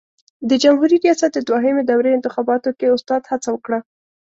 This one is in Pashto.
د جمهوري ریاست د دوهمې دورې انتخاباتو کې استاد هڅه وکړه.